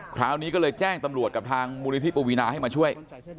คราวนี้ก็เลยแจ้งตำรวจกับทางมูลนิธิปวีนาให้มาช่วย